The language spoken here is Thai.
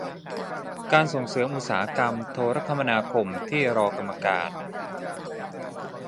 การส่งเสริมอุตสาหกรรมโทรคมนาคมที่รอกรรมการ